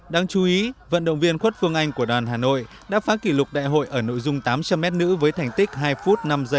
đáng chú ý vận động viên khuất phương anh của đoàn hà nội đã phá kỷ lục đại hội ở nội dung tám trăm linh m nữ với thành tích hai năm tám mươi chín